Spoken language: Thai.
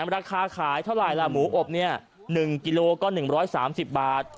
ราคาขายเท่าไรล่ะหมูอบ๑กิโลก็๑๓๐บาท